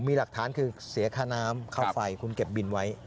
มีหลักฐานคือเสียค่าน้ำค่าไฟคุณเก็บบินไว้